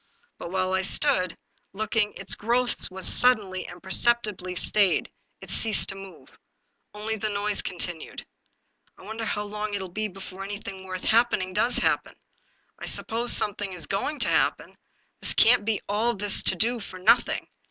But while I stood looking its growth was suddenly and perceptibly stayed; it ceased to move. Only the noise continued. " I wonder how long it will be before anything worth happening does happen! I suppose something is going to happen ; there can't be all this to do for nothing.